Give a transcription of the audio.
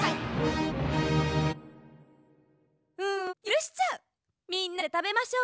うんゆるしちゃう！